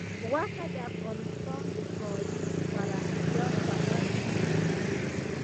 غوښې د افغانستان د ښاري پراختیا سبب کېږي.